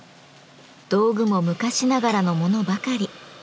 道具も昔ながらのものばかり。